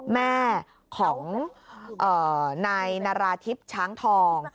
แม่ของนายนาราธิบช้างทอง